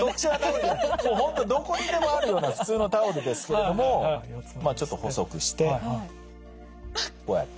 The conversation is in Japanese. もう本当どこにでもあるような普通のタオルですけれどもまあちょっと細くしてこうやって。